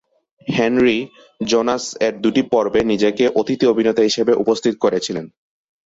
Henry, "Jonas" এর দুটি পর্বে নিজেকে অতিথি-অভিনেতা হিসেবে উপস্থিত করেছিলেন।